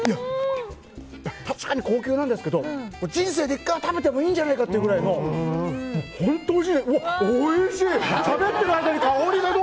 確かに高級なんですけど人生で１回は食べてもいいんじゃないかっていうくらい本当おいしいね、おいしい！